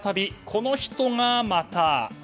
この人がまた。